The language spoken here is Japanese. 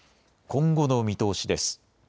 今後の見通しです。